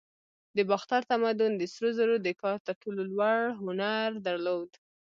د باختر تمدن د سرو زرو د کار تر ټولو لوړ هنر درلود